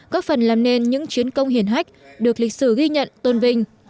có phần làm nên những chiến công hiền hách được lịch sử ghi nhận tôn vinh